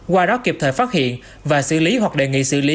qua đó kịp thời phát hiện và xử lý hoặc đề nghị xử lý